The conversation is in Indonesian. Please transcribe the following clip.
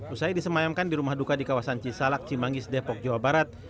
usai disemayamkan di rumah duka di kawasan cisalak cimanggis depok jawa barat